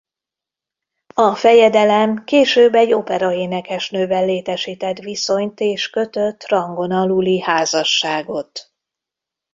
A fejedelem később egy operaénekesnővel létesített viszonyt és kötött rangon aluli házasságot.